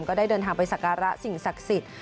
ก็ได้เดินทางไปศักรสิงศักริต